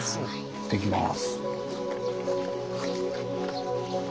行ってきます。